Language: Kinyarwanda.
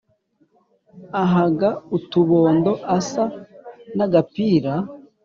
Ahaga utubondo asa n'agapira!